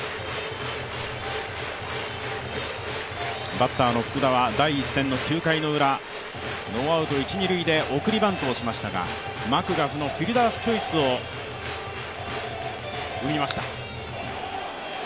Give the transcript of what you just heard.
バッターの福田は第１戦の９回ウラノーアウト一・二塁で送りバントをしましたが、マクガフのフィルダースチョイスをうみました。